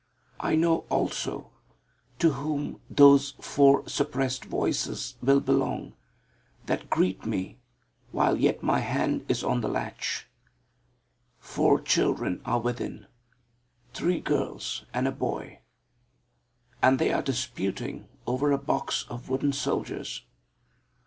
I know also to whom those four suppressed voices will belong that greet me while yet my hand is on the latch. Four children are within three girls and a boy and they are disputing over a box of wooden soldiers.